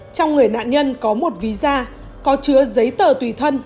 trong người nạn nhân có một ví da có chứa giấy tờ tùy thân